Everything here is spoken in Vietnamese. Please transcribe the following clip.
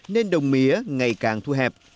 nên đồng mía ngày càng thu hẹp